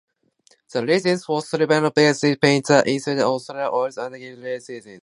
The resins for solvent-based paints are linseed or soya oils and alkyd resins.